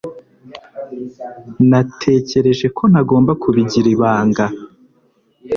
Natekereje ko ntagomba kubigira ibanga